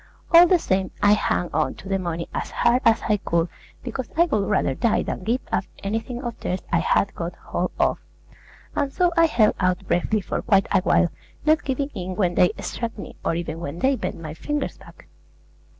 All the same, I hung on to the money as hard as I could, because I would rather die than give up anything of theirs I had got hold of; and so I held out bravely for quite a while, not giving in when they struck me, or even when they bent my fingers back.